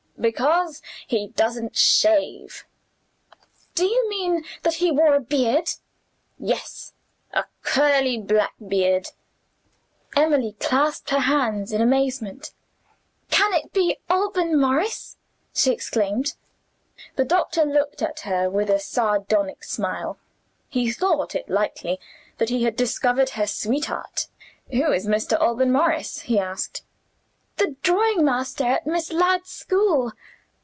"Because he doesn't shave." "Do you mean that he wore a beard?" "Yes; a curly black beard." Emily clasped her hands in amazement. "Can it be Alban Morris?" she exclaimed. The doctor looked at her with a sardonic smile; he thought it likely that he had discovered her sweetheart. "Who is Mr. Alban Morris?" he asked. "The drawing master at Miss Ladd's school."